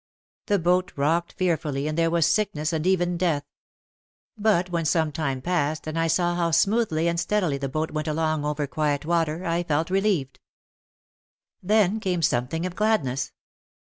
The boat rocked fearfully, and there was sick ness and even death. But when some time passed and I saw how smoothly and steadily the boat went along over quiet water, I felt relieved. Then came something of gladness.